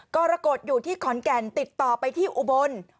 กรกฎอยู่ที่ขอนแก่นติดต่อไปที่อุบล